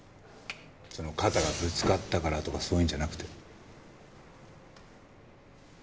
その肩がぶつかったからとかそういうんじゃなくて。